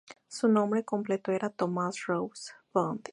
Su nombre completo era Thomas Ross Bond, y nació en Dallas, Texas.